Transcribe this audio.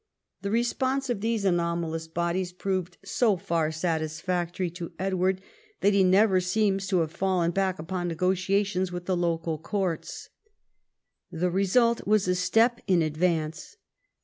The response of these anomalous bodies proved so far satisfactory to Edward that he never seems to have fallen back upon negotia tions with the local courts. The result was a step in advance.